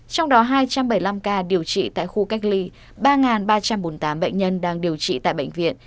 trong đó hai trăm bảy mươi năm ca điều trị tại khu cách ly ba ba trăm bốn mươi tám bệnh nhân đang điều trị tại bệnh viện